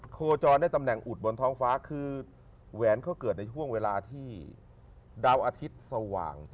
โคจรได้ตำแหน่งอุดบนท้องฟ้าคือแหวนเขาเกิดในช่วงเวลาที่ดาวอาทิตย์สว่าง